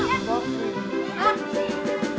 tiga jamunya berikin